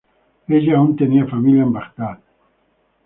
Ella aún tenía familia en Bagdad.